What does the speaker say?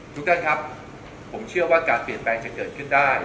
ทุกท่านครับผมเชื่อว่าการเปลี่ยนแปลงจะเกิดขึ้นได้